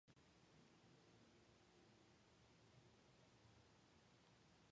In the North West, McKay took a country wife, Josette Latour.